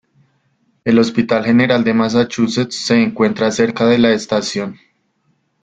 El Hospital General de Massachusetts se encuentra cerca de la estación.